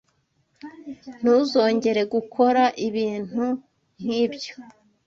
Ntuzongere gukora ibintu nkibyo.